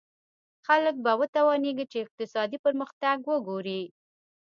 خلک به وتوانېږي چې اقتصادي پرمختګ وګوري.